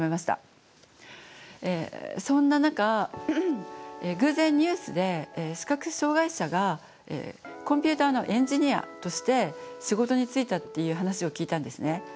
そんな中偶然ニュースで視覚障害者がコンピューターのエンジニアとして仕事に就いたっていう話を聞いたんですね。